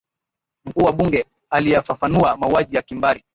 mkuu wa bunge aliyafafanua mauaji ya kimbari